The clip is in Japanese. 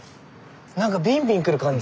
何かビンビンくる感じ。